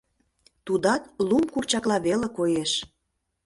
Тудат лум курчакла веле коеш.